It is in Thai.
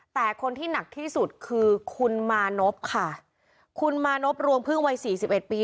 แต่คนที่หนักที่สุดคือคุณมานพค่ะคุณมานพรวงพึ่งวัยสี่สิบเอ็ดปี